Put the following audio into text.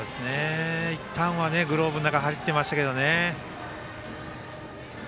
いったんは、グローブの中入っていましたけどね。